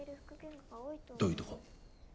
どういうとこ？